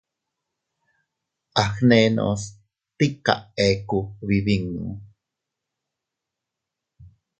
Agnenos tika eku, bibinnu.